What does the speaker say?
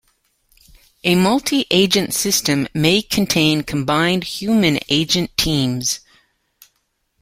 A multi-agent system may contain combined human-agent teams.